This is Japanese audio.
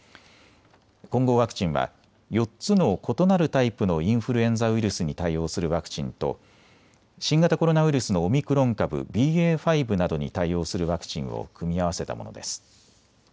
混合ワクチンは４つの異なるタイプのインフルエンザウイルスに対応するワクチンと新型コロナウイルスのオミクロン株ＢＡ．５などに対応するワクチンを組み合わせたものです。